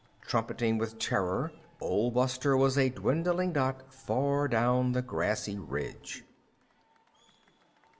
Trumpeting with terror, Old Buster was a dwindling dot far down the grassy ridge.